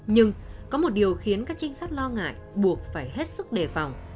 nhưng có một điều khiến các trinh sát lo ngại buộc phải hết sức đề phòng